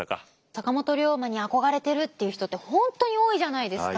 坂本龍馬に憧れてるっていう人って本当に多いじゃないですか。